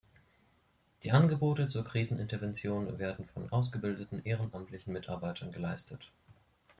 Die Angebote zur Krisenintervention werden von ausgebildeten ehrenamtlichen Mitarbeitern geleistet.